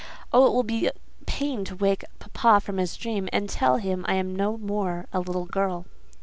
Oh, it will be pain to wake papa from his dream, and tell him I am no more a little girl!"